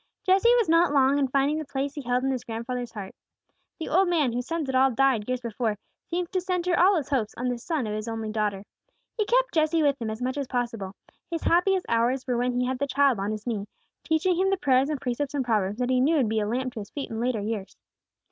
Jesse was not long in finding the place he held in his grandfather's heart. The old man, whose sons had all died years before, seemed to centre all his hopes on this son of his only daughter. He kept Jesse with him as much as possible; his happiest hours were when he had the child on his knee, teaching him the prayers and precepts and proverbs that he knew would be a lamp to his feet in later years.